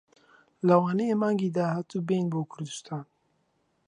لەوانەیە مانگی داهاتوو بێین بۆ کوردستان.